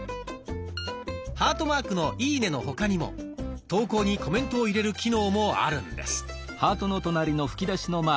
ハートマークの「いいね」の他にも投稿にコメントを入れる機能もあるんです。